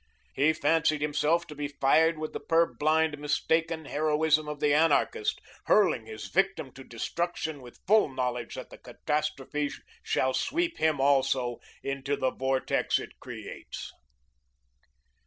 He fancied himself to be fired with the purblind, mistaken heroism of the anarchist, hurling his victim to destruction with full knowledge that the catastrophe shall sweep him also into the vortex it creates.